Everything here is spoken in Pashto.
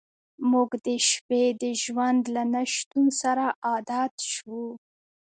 موږ د شپې د ژوند له نشتون سره عادت شو